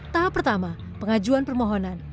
tahap pertama pengajuan permohonan